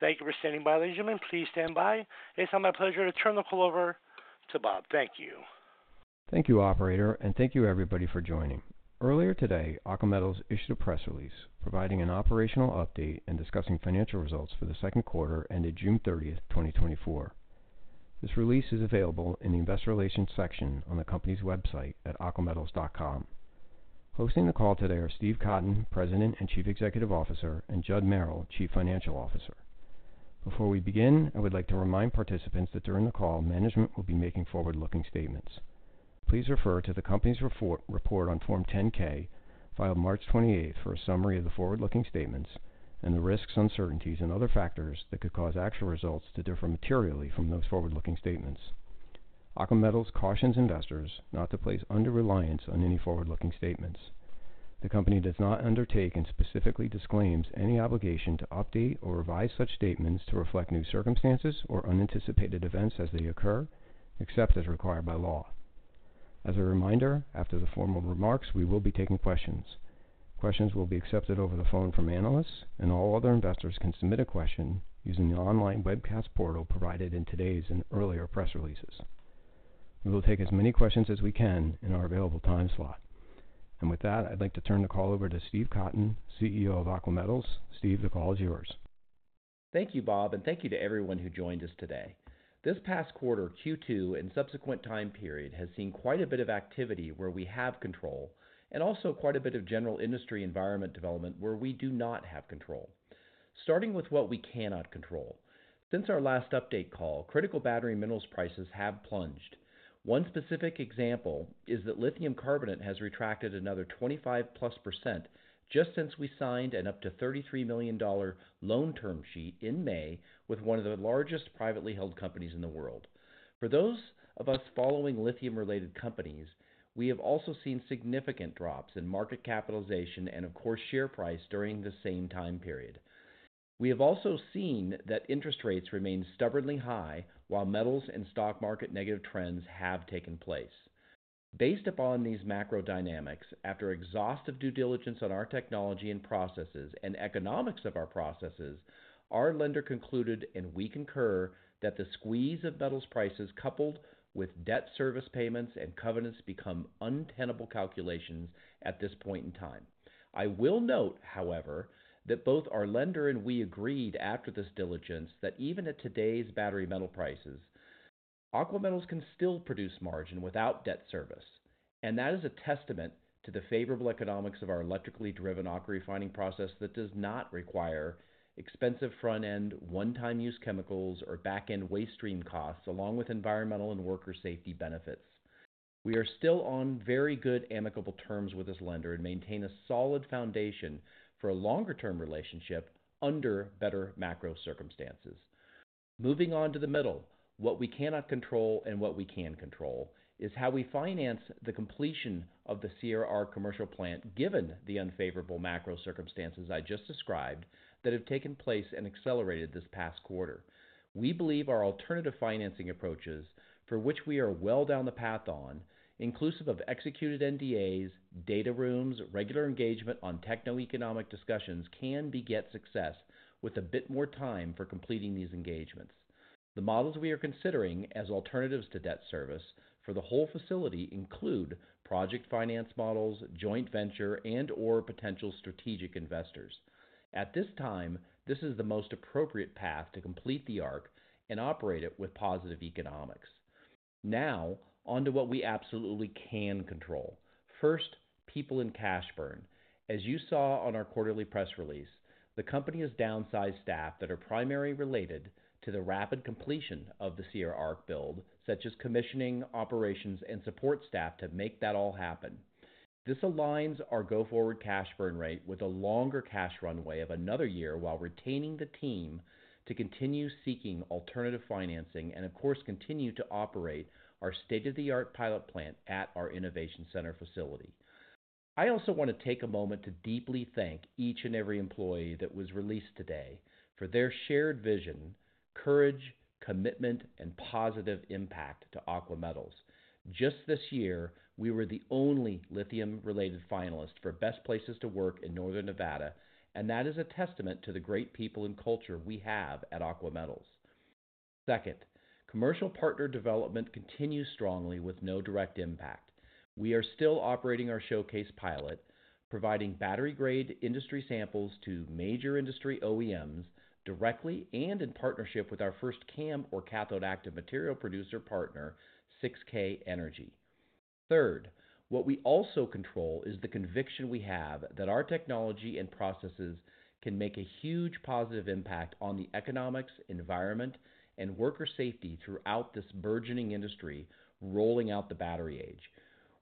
Thank you for standing by, ladies and gentlemen. Please stand by. It's my pleasure to turn the call over to Bob. Thank you. Thank you, Operator, and thank you, everybody, for joining. Earlier today, Aqua Metals issued a press release providing an operational update and discussing financial results for the second quarter ended June 30, 2024. This release is available in the Investor Relations section on the company's website at aquametals.com. Hosting the call today are Steve Cotton, President and Chief Executive Officer, and Judd Merrill, Chief Financial Officer. Before we begin, I would like to remind participants that during the call, management will be making forward-looking statements. Please refer to the company's report on Form 10-K, filed March 28, for a summary of the forward-looking statements and the risks, uncertainties, and other factors that could cause actual results to differ materially from those forward-looking statements. Aqua Metals cautions investors not to place undue reliance on any forward-looking statements. The company does not undertake and specifically disclaims any obligation to update or revise such statements to reflect new circumstances or unanticipated events as they occur, except as required by law. As a reminder, after the formal remarks, we will be taking questions. Questions will be accepted over the phone from analysts, and all other investors can submit a question using the online webcast portal provided in today's and earlier press releases. We will take as many questions as we can in our available time slot. And with that, I'd like to turn the call over to Steve Cotton, CEO of Aqua Metals. Steve, the call is yours. Thank you, Bob, and thank you to everyone who joined us today. This past quarter, Q2, and subsequent time period has seen quite a bit of activity where we have control and also quite a bit of general industry environment development where we do not have control. Starting with what we cannot control. Since our last update call, critical battery minerals prices have plunged. One specific example is that lithium carbonate has retracted another 25%+ just since we signed an up to $33 million loan term sheet in May with one of the largest privately held companies in the world. For those of us following lithium-related companies, we have also seen significant drops in market capitalization and, of course, share price during the same time period. We have also seen that interest rates remain stubbornly high while metals and stock market negative trends have taken place. Based upon these macro dynamics, after exhaustive due diligence on our technology and processes and economics of our processes, our lender concluded, and we concur, that the squeeze of metals prices coupled with debt service payments and covenants become untenable calculations at this point in time. I will note, however, that both our lender and we agreed after this diligence that even at today's battery metal prices, Aqua Metals can still produce margin without debt service. And that is a testament to the favorable economics of our electrically driven AquaRefining process that does not require expensive front-end, one-time-use chemicals or back-end waste stream costs along with environmental and worker safety benefits. We are still on very good, amicable terms with this lender and maintain a solid foundation for a longer-term relationship under better macro circumstances. Moving on to the middle, what we cannot control and what we can control is how we finance the completion of the ARC commercial plant given the unfavorable macro circumstances I just described that have taken place and accelerated this past quarter. We believe our alternative financing approaches for which we are well down the path on, inclusive of executed NDAs, data rooms, regular engagement on techno-economic discussions, can beget success with a bit more time for completing these engagements. The models we are considering as alternatives to debt service for the whole facility include project finance models, joint venture, and/or potential strategic investors. At this time, this is the most appropriate path to complete the ARC and operate it with positive economics. Now, on to what we absolutely can control. First, people and cash burn. As you saw on our quarterly press release, the company has downsized staff that are primarily related to the rapid completion of the CRR build, such as commissioning operations and support staff to make that all happen. This aligns our go-forward cash burn rate with a longer cash runway of another year while retaining the team to continue seeking alternative financing and, of course, continue to operate our state-of-the-art pilot plant at our innovation center facility. I also want to take a moment to deeply thank each and every employee that was released today for their shared vision, courage, commitment, and positive impact to Aqua Metals. Just this year, we were the only lithium-related finalist for Best Places to Work in Northern Nevada, and that is a testament to the great people and culture we have at Aqua Metals. Second, commercial partner development continues strongly with no direct impact. We are still operating our showcase pilot, providing battery-grade industry samples to major industry OEMs directly and in partnership with our first CAM or cathode-active material producer partner, 6K Energy. Third, what we also control is the conviction we have that our technology and processes can make a huge positive impact on the economics, environment, and worker safety throughout this burgeoning industry rolling out the battery age.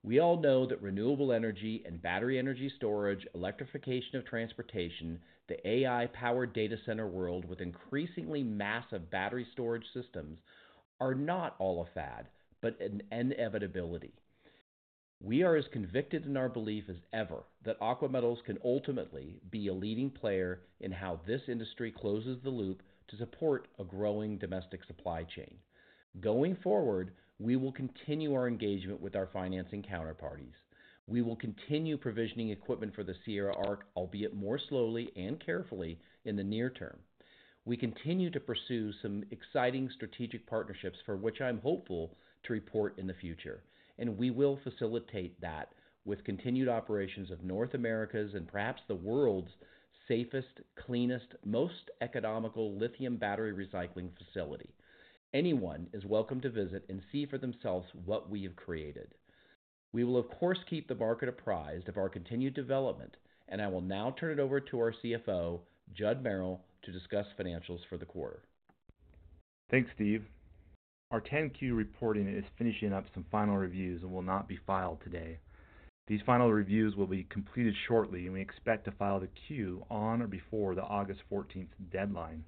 We all know that renewable energy and battery energy storage, electrification of transportation, the AI-powered data center world with increasingly massive battery storage systems are not all a fad, but an inevitability. We are as convicted in our belief as ever that Aqua Metals can ultimately be a leading player in how this industry closes the loop to support a growing domestic supply chain. Going forward, we will continue our engagement with our financing counterparties. We will continue provisioning equipment for the CRR, albeit more slowly and carefully in the near term. We continue to pursue some exciting strategic partnerships for which I'm hopeful to report in the future, and we will facilitate that with continued operations of North America's and perhaps the world's safest, cleanest, most economical lithium battery recycling facility. Anyone is welcome to visit and see for themselves what we have created. We will, of course, keep the market apprised of our continued development, and I will now turn it over to our CFO, Judd Merrill, to discuss financials for the quarter. Thanks, Steve. Our 10-Q reporting is finishing up some final reviews and will not be filed today. These final reviews will be completed shortly, and we expect to file the Q on or before the August 14 deadline.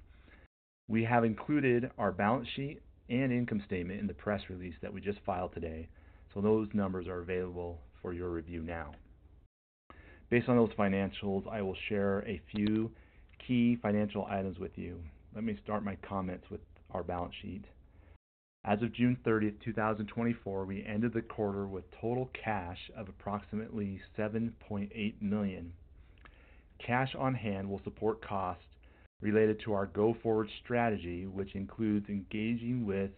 We have included our balance sheet and income statement in the press release that we just filed today, so those numbers are available for your review now. Based on those financials, I will share a few key financial items with you. Let me start my comments with our balance sheet. As of June 30, 2024, we ended the quarter with total cash of approximately $7.8 million. Cash on hand will support costs related to our go-forward strategy, which includes engaging with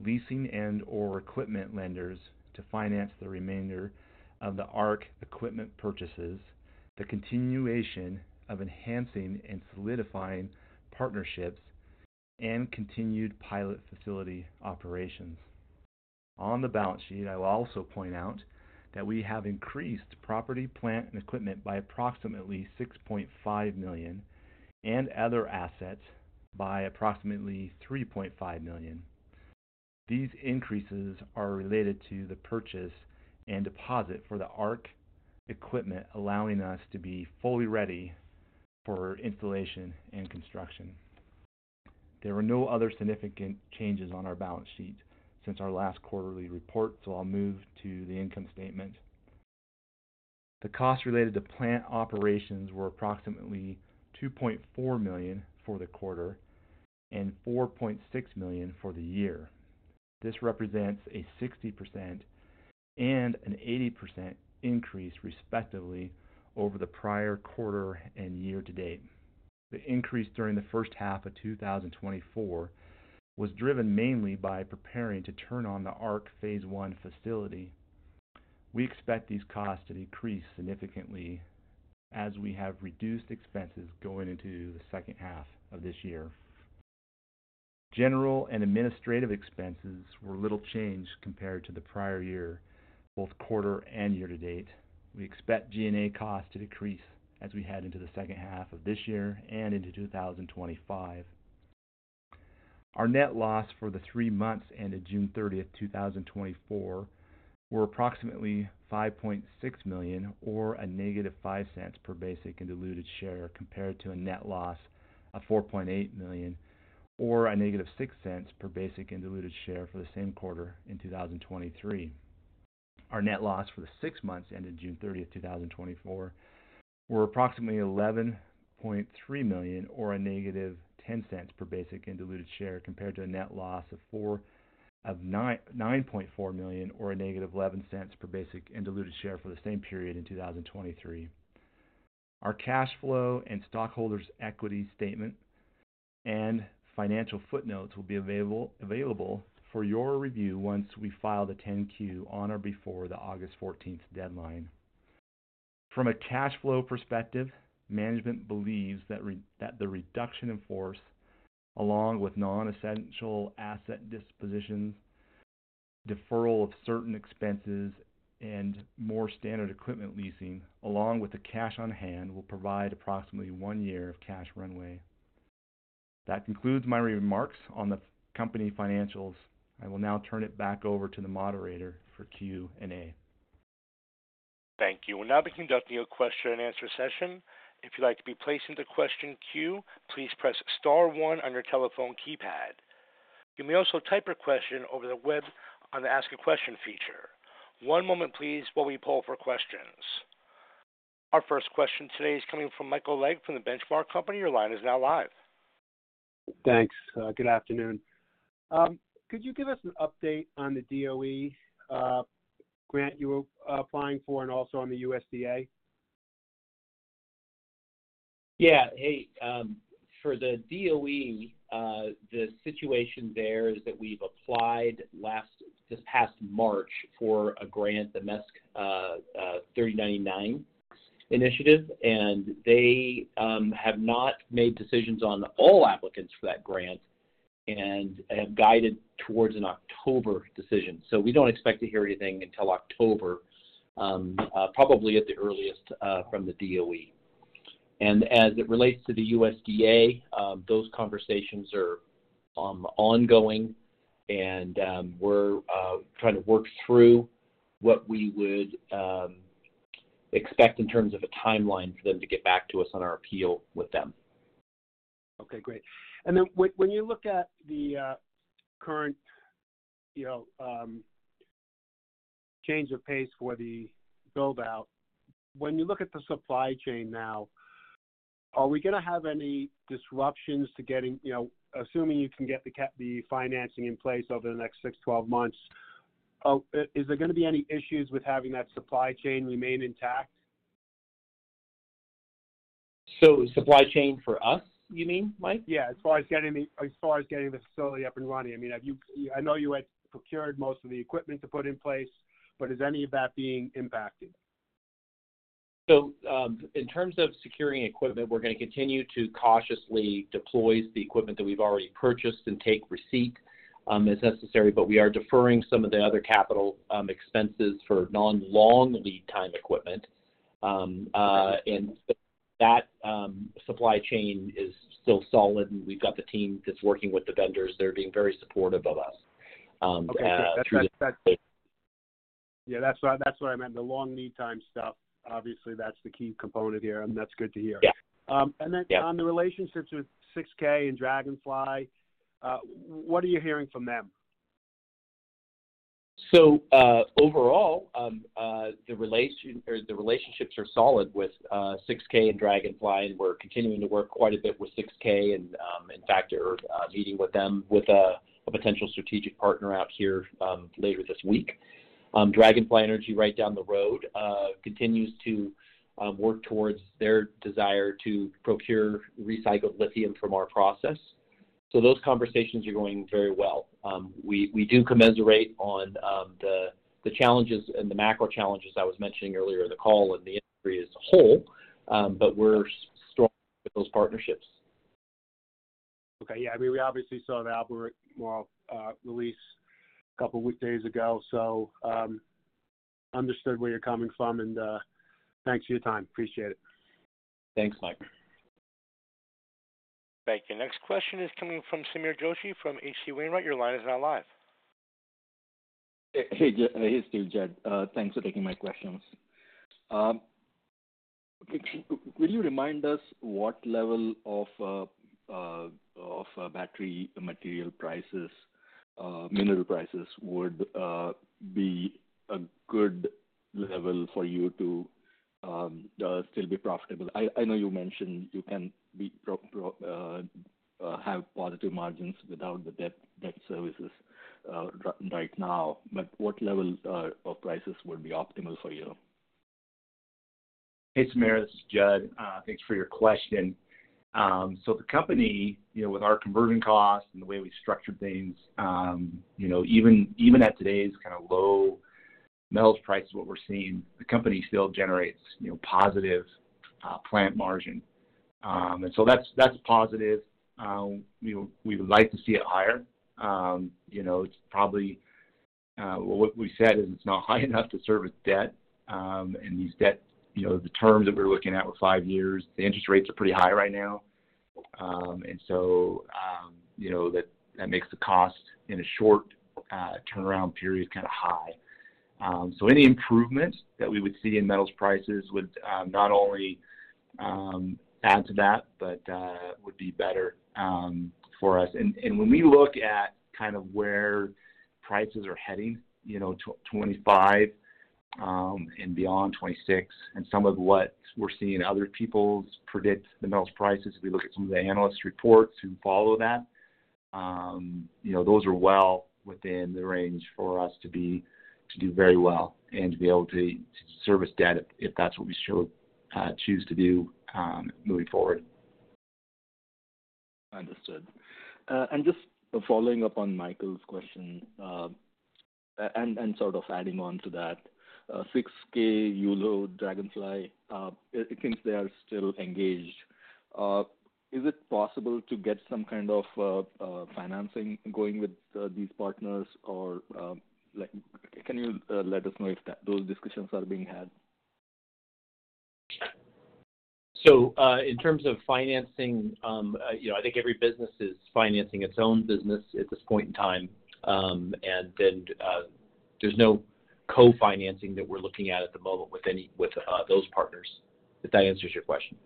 leasing and/or equipment lenders to finance the remainder of the ARC equipment purchases, the continuation of enhancing and solidifying partnerships, and continued pilot facility operations. On the balance sheet, I will also point out that we have increased property, plant, and equipment by approximately $6.5 million and other assets by approximately $3.5 million. These increases are related to the purchase and deposit for the arc equipment, allowing us to be fully ready for installation and construction. There were no other significant changes on our balance sheet since our last quarterly report, so I'll move to the income statement. The costs related to plant operations were approximately $2.4 million for the quarter and $4.6 million for the year. This represents a 60% and an 80% increase, respectively, over the prior quarter and year to date. The increase during the first half of 2024 was driven mainly by preparing to turn on the arc phase one facility. We expect these costs to decrease significantly as we have reduced expenses going into the second half of this year. General and administrative expenses were little changed compared to the prior year, both quarter and year to date. We expect G&A costs to decrease as we head into the second half of this year and into 2025. Our net loss for the three months ended June 30, 2024, were approximately $5.6 million or a negative $0.05 per basic and diluted share compared to a net loss of $4.8 million or a negative $0.06 per basic and diluted share for the same quarter in 2023. Our net loss for the six months ended June 30, 2024, were approximately $11.3 million or a negative $0.10 per basic and diluted share compared to a net loss of $9.4 million or a negative $0.11 per basic and diluted share for the same period in 2023. Our cash flow and stockholders' equity statement and financial footnotes will be available for your review once we file the 10-Q on or before the August 14 deadline. From a cash flow perspective, management believes that the reduction in force, along with nonessential asset dispositions, deferral of certain expenses, and more standard equipment leasing, along with the cash on hand, will provide approximately one year of cash runway. That concludes my remarks on the company financials. I will now turn it back over to the Moderator for Q&A. Thank you. We'll now be conducting a question-and-answer session. If you'd like to be placed into the question queue, please press star one on your telephone keypad. You may also type your question over the web on the Ask a Question feature. One moment, please, while we pull up our questions. Our first question today is coming from Michael Legg from The Benchmark Company. Your line is now live. Thanks. Good afternoon. Could you give us an update on the DOE grant you're applying for and also on the USDA? Yeah. Hey, for the DOE, the situation there is that we've applied this past March for a grant, the MESC 3099 initiative, and they have not made decisions on all applicants for that grant and have guided towards an October decision. So we don't expect to hear anything until October, probably at the earliest from the DOE. And as it relates to the USDA, those conversations are ongoing, and we're trying to work through what we would expect in terms of a timeline for them to get back to us on our appeal with them. Okay. Great. And then when you look at the current change of pace for the build-out, when you look at the supply chain now, are we going to have any disruptions to getting, assuming you can get the financing in place over the next 6-12 months, is there going to be any issues with having that supply chain remain intact? Supply chain for us, you mean, Mike? Yeah. As far as getting the facility up and running. I mean, I know you had procured most of the equipment to put in place, but is any of that being impacted? So in terms of securing equipment, we're going to continue to cautiously deploy the equipment that we've already purchased and take receipt as necessary, but we are deferring some of the other capital expenses for non-long lead-time equipment. That supply chain is still solid, and we've got the team that's working with the vendors. They're being very supportive of us. Okay. That's good. Yeah. That's what I meant. The long lead-time stuff, obviously, that's the key component here, and that's good to hear. And then on the relationships with 6K and Dragonfly, what are you hearing from them? So overall, the relationships are solid with 6K and Dragonfly, and we're continuing to work quite a bit with 6K, and in fact, we're meeting with them with a potential strategic partner out here later this week. Dragonfly Energy, right down the road, continues to work towards their desire to procure recycled lithium from our process. So those conversations are going very well. We do commiserate on the challenges and the macro challenges I was mentioning earlier in the call and the industry as a whole, but we're strong with those partnerships. Okay. Yeah. I mean, we obviously saw the Albemarle release a couple of days ago, so understood where you're coming from, and thanks for your time. Appreciate it. Thanks, Mike. Thank you. Next question is coming from Samir Joshi from H.C. Wainwright. Your line is now live. Hey, Steve, Judd. Thanks for taking my questions. Could you remind us what level of battery material prices, mineral prices, would be a good level for you to still be profitable? I know you mentioned you can have positive margins without the debt services right now, but what level of prices would be optimal for you? Hey, Samir. Judd, thanks for your question. So the company, with our conversion costs and the way we structured things, even at today's kind of low metals prices, what we're seeing, the company still generates positive plant margin. And so that's positive. We would like to see it higher. It's probably what we said is it's not high enough to service debt, and these debt terms that we're looking at were 5 years. The interest rates are pretty high right now, and so that makes the cost in a short turnaround period kind of high. So any improvement that we would see in metals prices would not only add to that but would be better for us. When we look at kind of where prices are heading, 2025 and beyond, 2026, and some of what we're seeing other people predict the metals prices, if we look at some of the analyst reports who follow that, those are well within the range for us to do very well and to be able to service debt if that's what we choose to do moving forward. Understood. Just following up on Michael's question and sort of adding on to that, 6K, Yulu, Dragonfly, it seems they are still engaged. Is it possible to get some kind of financing going with these partners, or can you let us know if those discussions are being had? In terms of financing, I think every business is financing its own business at this point in time, and then there's no co-financing that we're looking at at the moment with those partners, if that answers your question?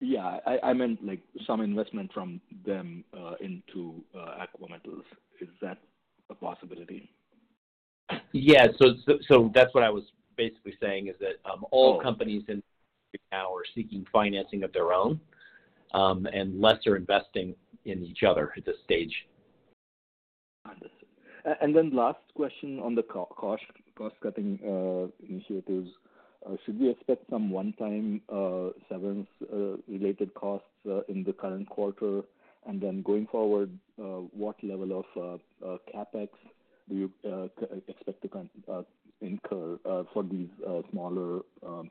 Yeah. I meant some investment from them into Aqua Metals. Is that a possibility? Yeah. So that's what I was basically saying, is that all companies now are seeking financing of their own and less are investing in each other at this stage. Understood. And then last question on the cost-cutting initiatives. Should we expect some one-time severance-related costs in the current quarter? And then going forward, what level of CapEx do you expect to incur for these smaller lead-time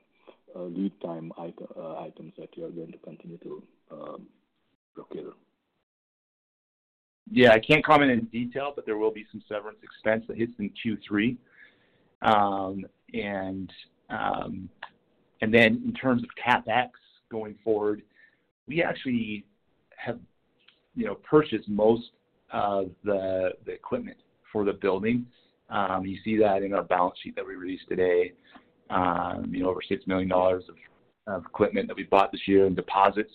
items that you're going to continue to procure? Yeah. I can't comment in detail, but there will be some severance expense that hits in Q3. Then in terms of CapEx going forward, we actually have purchased most of the equipment for the building. You see that in our balance sheet that we released today, over $6 million of equipment that we bought this year in deposits.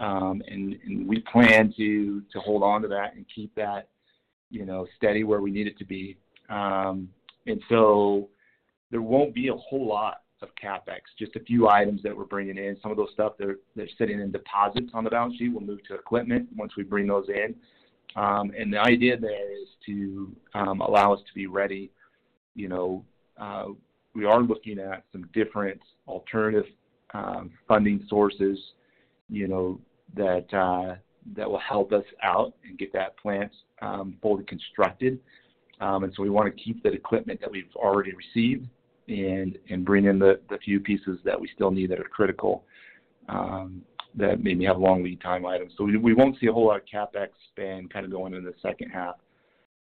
We plan to hold on to that and keep that steady where we need it to be. So there won't be a whole lot of CapEx, just a few items that we're bringing in. Some of those stuff that are sitting in deposits on the balance sheet will move to equipment once we bring those in. The idea there is to allow us to be ready. We are looking at some different alternative funding sources that will help us out and get that plant fully constructed. So we want to keep the equipment that we've already received and bring in the few pieces that we still need that are critical that maybe have long lead-time items. So we won't see a whole lot of CapEx spend kind of going into the second half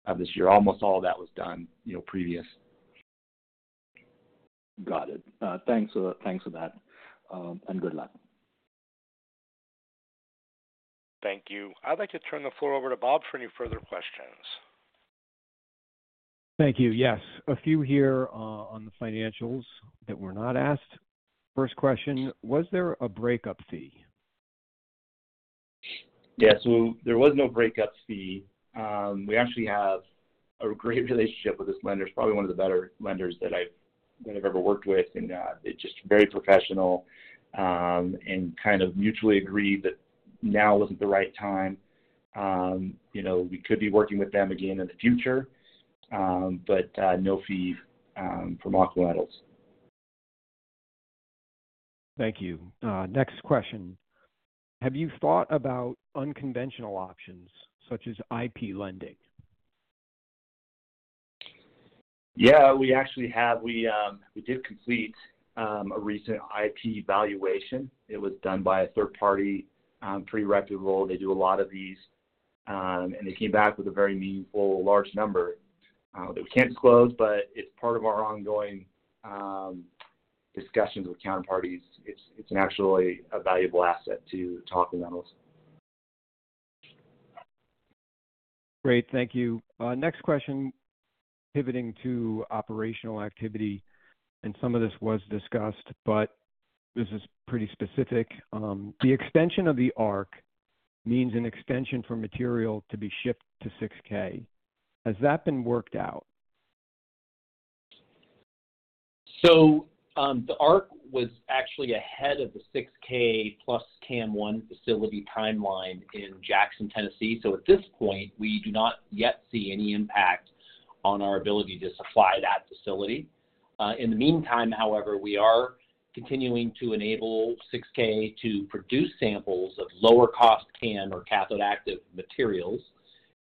of this year. Almost all of that was done previous. Got it. Thanks for that. And good luck. Thank you. I'd like to turn the floor over to Bob for any further questions. Thank you. Yes. A few here on the financials that were not asked. First question, was there a breakup fee? Yes. So there was no breakup fee. We actually have a great relationship with this lender. It's probably one of the better lenders that I've ever worked with, and they're just very professional and kind of mutually agreed that now wasn't the right time. We could be working with them again in the future, but no fee from Aqua Metals. Thank you. Next question. Have you thought about unconventional options such as IP lending? Yeah. We actually have. We did complete a recent IP valuation. It was done by a third-party professional. They do a lot of these, and they came back with a very meaningful large number that we can't disclose, but it's part of our ongoing discussions with counterparties. It's actually a valuable asset to talk to them with. Great. Thank you. Next question, pivoting to operational activity. Some of this was discussed, but this is pretty specific. The extension of the ARC means an extension for material to be shipped to 6K. Has that been worked out? So the ARC was actually ahead of the 6K PlusCAM-1 facility timeline in Jackson, Tennessee. So at this point, we do not yet see any impact on our ability to supply that facility. In the meantime, however, we are continuing to enable 6K to produce samples of lower-cost CAM or cathode-active materials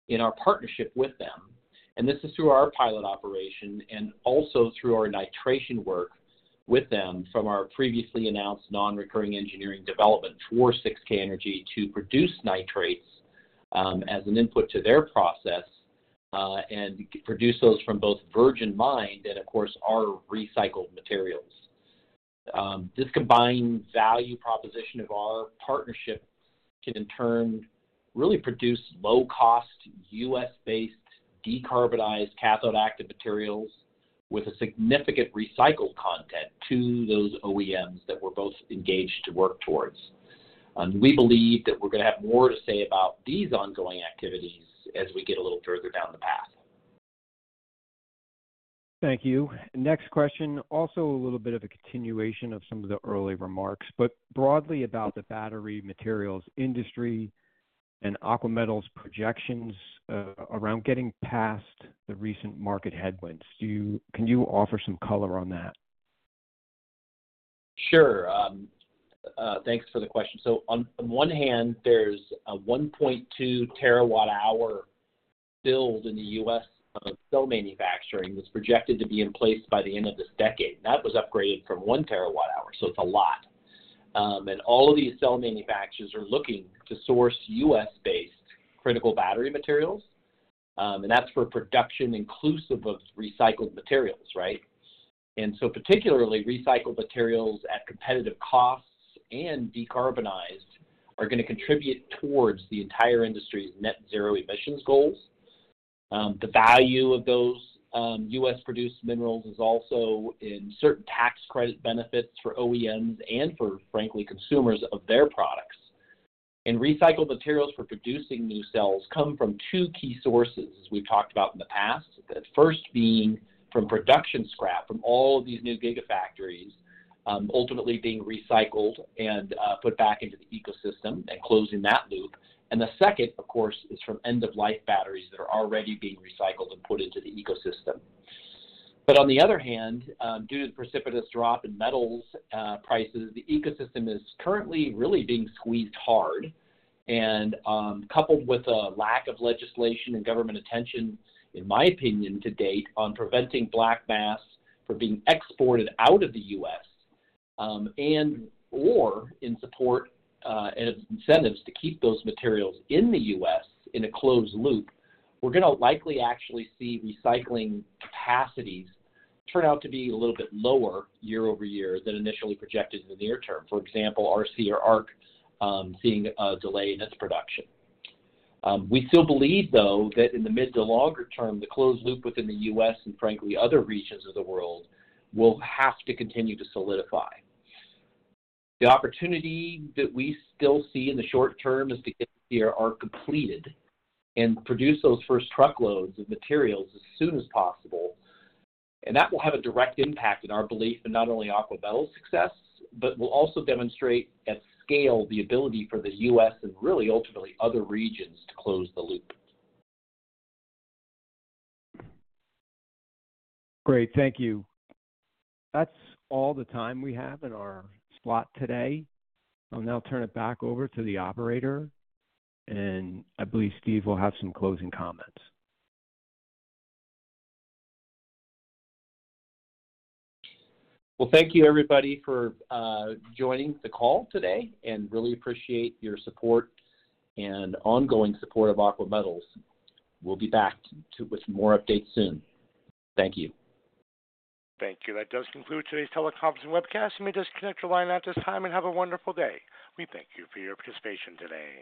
in our partnership with them. And this is through our pilot operation and also through our nitration work with them from our previously announced non-recurring engineering development for 6K Energy to produce nitrates as an input to their process and produce those from both virgin mine and, of course, our recycled materials. This combined value proposition of our partnership can, in turn, really produce low-cost, U.S.-based, decarbonized cathode-active materials with a significant recycled content to those OEMs that we're both engaged to work towards. We believe that we're going to have more to say about these ongoing activities as we get a little further down the path. Thank you. Next question, also a little bit of a continuation of some of the early remarks, but broadly about the battery materials industry and Aqua Metals' projections around getting past the recent market headwinds. Can you offer some color on that? Sure. Thanks for the question. On one hand, there's a 1.2 terawatt-hour build in the U.S. of cell manufacturing that's projected to be in place by the end of this decade. That was upgraded from 1 terawatt-hour, so it's a lot. All of these cell manufacturers are looking to source U.S.-based critical battery materials, and that's for production inclusive of recycled materials, right? So particularly, recycled materials at competitive costs and decarbonized are going to contribute towards the entire industry's net zero emissions goals. The value of those U.S.-produced minerals is also in certain tax credit benefits for OEMs and for, frankly, consumers of their products. Recycled materials for producing new cells come from two key sources, as we've talked about in the past, the first being from production scrap from all of these new Gigafactories, ultimately being recycled and put back into the ecosystem and closing that loop. And the second, of course, is from end-of-life batteries that are already being recycled and put into the ecosystem. But on the other hand, due to the precipitous drop in metals prices, the ecosystem is currently really being squeezed hard. Coupled with a lack of legislation and government attention, in my opinion to date, on preventing black mass from being exported out of the U.S. and/or in support and incentives to keep those materials in the U.S. in a closed loop, we're going to likely actually see recycling capacities turn out to be a little bit lower year-over-year than initially projected in the near term. For example, ARC seeing a delay in its production. We still believe, though, that in the mid- to longer-term, the closed loop within the U.S. and, frankly, other regions of the world will have to continue to solidify. The opportunity that we still see in the short term is to get our ARC completed and produce those first truckloads of materials as soon as possible. That will have a direct impact in our belief in not only Aqua Metals' success, but will also demonstrate at scale the ability for the U.S. and really, ultimately, other regions to close the loop. Great. Thank you. That's all the time we have in our slot today. I'll now turn it back over to the operator, and I believe Steve will have some closing comments. Well, thank you, everybody, for joining the call today, and really appreciate your support and ongoing support of Aqua Metals. We'll be back with more updates soon. Thank you. Thank you. That does conclude today's teleconference and webcast. You may disconnect your line at this time and have a wonderful day. We thank you for your participation today.